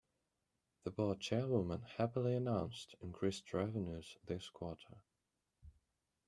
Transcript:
The board chairwoman happily announced increased revenues this quarter.